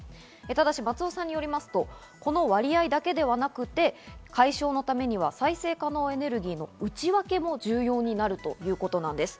ただし松尾さんよりますと、この割合だけではなくて解消のためには再生可能エネルギーの内訳も重要になるということなんです。